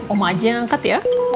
omah aja yang angkat ya